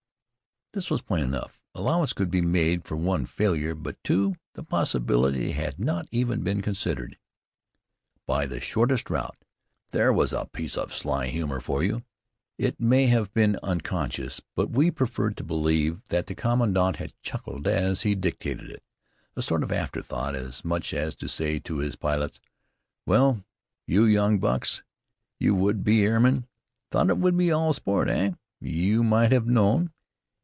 This was plain enough. Allowance could be made for one failure, but two the possibility had not even been considered. "By the shortest route." There was a piece of sly humor for you. It may have been unconscious, but we preferred to believe that the commandant had chuckled as he dictated it. A sort of afterthought, as much as to say to his pilots, "Well, you young bucks, you would be airmen: thought it would be all sport, eh? You might have known.